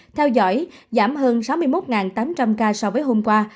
theo dõi giảm hơn sáu mươi một tám trăm linh ca so với hôm qua